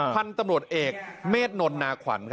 พันธุ์ตำรวจเอกเมษนนนาขวัญ